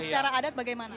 kalau secara adat bagaimana